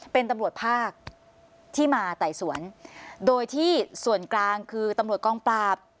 เป็นตำรวจภาคที่มาไต่สวนโดยที่ส่วนกลางคือตำรวจกองปราบ